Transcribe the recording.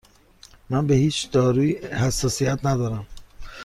من به هیچ دارویی حساسیت ندارم.